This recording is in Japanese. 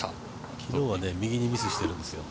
昨日は右にミスしてるんですよ。